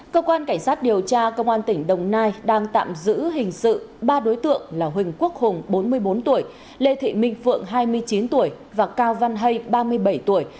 cơ quan cảnh sát điều tra công an tỉnh đồng nai đang tạm giữ hình sự ba đối tượng là huỳnh quốc hùng bốn mươi bốn tuổi lê thị minh phượng hai mươi chín tuổi và cao văn hay ba mươi bảy tuổi